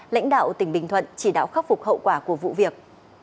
lãnh đạo tỉnh bình thuận chỉ đạo khắc phục hậu quả của vụ việc